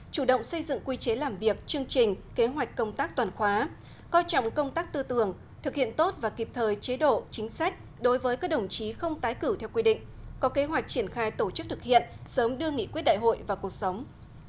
chủ động xây dựng quy chế làm việc chương trình kế hoạch công tác toàn khóa coi trọng công tác tư tưởng thực hiện tốt và kịp thời chế độ chính sách đối với các đồng chí không tái cử theo quy định có kế hoạch triển khai tổ chức thực hiện sớm đưa nghị quyết đại hội vào cuộc sống